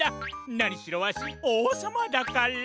なにしろわしおうさまだから！